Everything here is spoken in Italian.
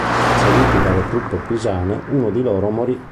Inseguiti dalle truppe pisane, uno di loro morì.